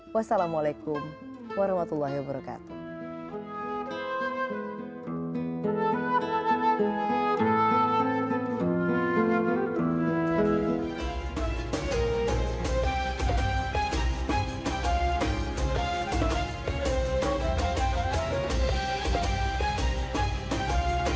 wassalamualaikum warahmatullahi wabarakatuh